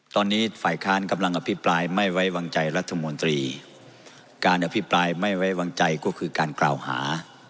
ตอนนี้ฝ่ายค้านกำลังอภิปรายไม่ไว้วางใจรัฐมนตรีการอภิปรายไม่ไว้วางใจก็คือการกล่าวหา